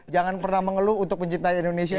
jangan pernah mengeluh untuk mencintai indonesia